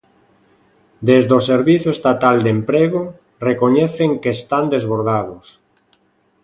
Dende o servizo estatal de emprego, recoñecen que están desbordados.